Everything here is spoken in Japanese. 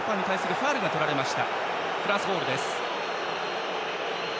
フランスボールです。